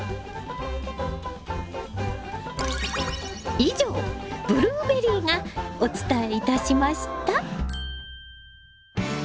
以上ブルーベリーがお伝えいたしました。